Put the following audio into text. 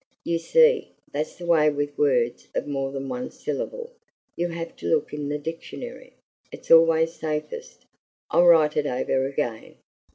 You see, that's the way with words of more than one syllable; you have to look in the dictionary. It's always safest. I'll write it over again."